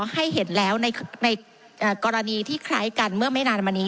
ให้เห็นแล้วในกรณีที่คล้ายกันเมื่อไม่นานมานี้